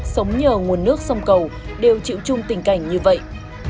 sống nhờ nguồn nước sông cầu đều chịu chung tình cảnh như vậy